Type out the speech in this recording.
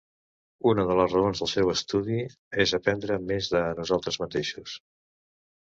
Una de les raons del seu estudi és aprendre més de nosaltres mateixos.